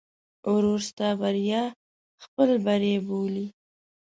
ورور ستا بریا خپل بری بولي.